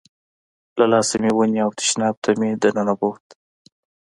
له لاسه مې ونیو او تشناب ته مې دننه بوت.